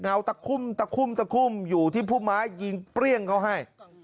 ตะคุ่มตะคุ่มตะคุ่มอยู่ที่ผู้ไม้ยิงเปรี้ยงเขาให้